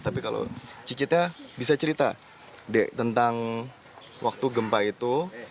tapi kalau cicitnya bisa cerita tentang waktu gempa itu